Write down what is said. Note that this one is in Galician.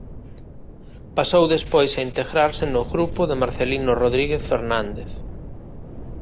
Pasou despois a integrarse no grupo de Marcelino Rodríguez Fernández.